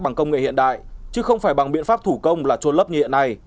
bằng công nghệ hiện đại chứ không phải bằng biện pháp thủ công là trôn lấp như hiện nay